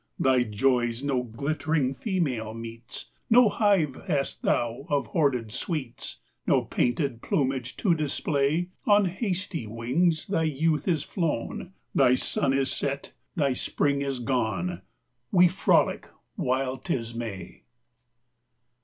Thy joys no glittering female meets, No hive hast thou of hoarded sweets, No painted plumage to display: On hasty wings thy youth is flown; Thy sun is set, thy spring is gone We frolic while 'tis May.